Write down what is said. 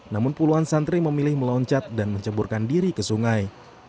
namun puluhan santri memilih meloncat dan menceburkan diri ke sungai